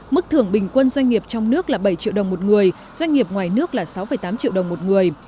mức thưởng bình quân doanh nghiệp trong nước là bảy triệu đồng một người doanh nghiệp ngoài nước là sáu tám triệu đồng một người